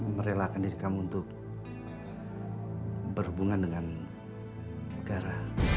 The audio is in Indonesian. merelakan diri kamu untuk berhubungan dengan negara